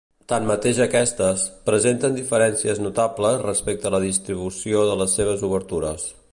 Tanmateix aquestes, presenten diferències notables respecte a la distribució de les seves obertures.